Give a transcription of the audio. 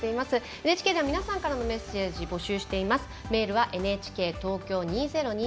ＮＨＫでは皆さんからのメッセージ募集しています。